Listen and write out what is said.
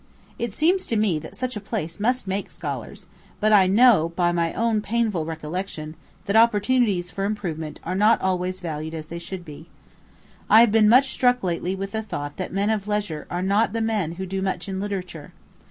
It seems to me that such a place must make scholars; but I know, by my own painful recollection, that opportunities for improvement are not always valued as they should be. I have been much struck lately with the thought that men of leisure are not the men who do much in literature.